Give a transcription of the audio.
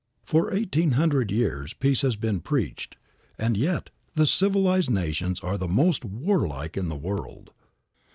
For eighteen hundred years peace has been preached, and yet the civilized nations are the most warlike of the world.